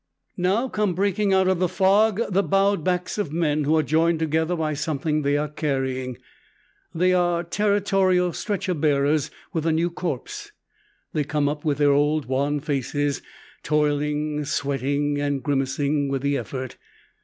Now come breaking out of the fog the bowed backs of men who are joined together by something they are carrying. They are Territorial stretcher bearers with a new corpse. They come up with their old wan faces, toiling, sweating, and grimacing with the effort.